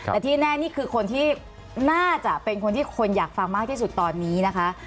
แต่ที่แน่นี่คือคนที่น่าจะเป็นคนที่คนอยากฟังมากที่สุดตอนนี้นะคะ